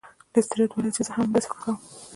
لیسټرډ وویل چې زه هم همداسې فکر کوم.